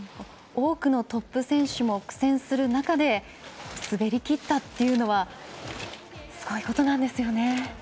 多くのトップ選手も苦戦する中で滑りきったっていうのはすごいことなんですよね。